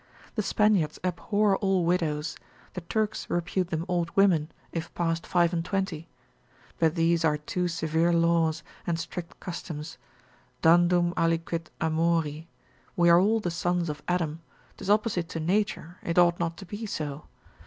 The Spaniards abhor all widows; the Turks repute them old women, if past five and twenty. But these are too severe laws, and strict customs, dandum aliquid amori, we are all the sons of Adam, 'tis opposite to nature, it ought not to be so.